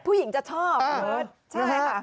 ผู้หญิงจะชอบใช่ค่ะ